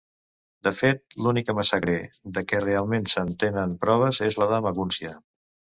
De fet, l'única massacre de què realment se'n tenen proves és la de Magúncia.